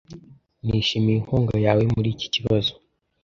Nishimiye inkunga yawe muri iki kibazo .